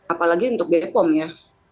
apalagi untuk bepom ya